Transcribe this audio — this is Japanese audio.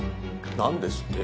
何ですって？